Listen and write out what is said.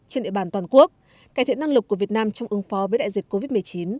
trên địa bàn toàn quốc cải thiện năng lực của việt nam trong ứng phó với đại dịch covid một mươi chín